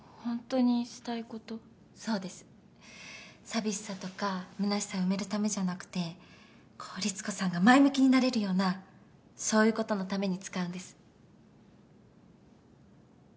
寂しさとかむなしさ埋めるためじゃなくてこうリツコさんが前向きになれるようなそういうことのために使うんです。